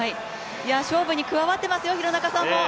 勝負に加わっていますよ、廣中さんも。